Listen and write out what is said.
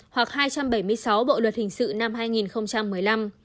hoặc hai trăm bảy mươi sáu bộ luật hình sự năm hai nghìn một mươi năm